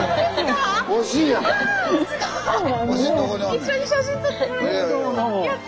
一緒に写真撮って。